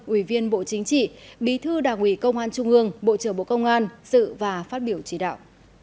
ủy viên bộ chính trị bí thư đảng ủy công an trung ương bộ trưởng bộ công an sự và phát biểu chỉ đạo